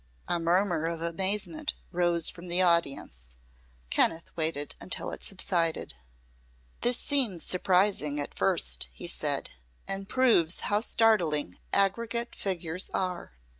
A murmur of amazement rose from the audience. Kenneth waited until it had subsided. "This seems surprising, at first," he said, "and proves how startling aggregate figures are.